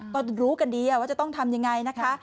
ก็รู้กันดีว่าจะต้องทำยังไงนะคะ